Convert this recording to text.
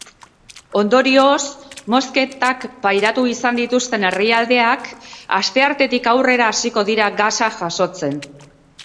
Ondorioz, mozketak pairatu izan dituzten herrialdeak asteartetik aurrera hasiko dira gasa jasotzen.